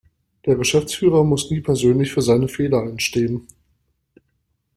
Der Geschäftsführer muss nie persönlich für seine Fehler einstehen.